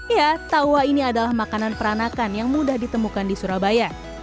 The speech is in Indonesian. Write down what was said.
ya tawa ini adalah makanan peranakan yang mudah ditemukan di surabaya